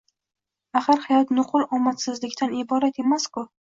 Axir, hayot nuqul omadsizliklardan iborat emas-ku